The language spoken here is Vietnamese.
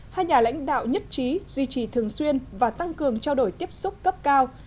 hai nhà lãnh đạo nhất trí duy trì thường xuyên và tăng cường trao đổi tiếp xúc cấp cao